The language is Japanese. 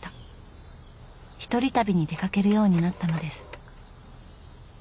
一人旅に出かけるようになったのです。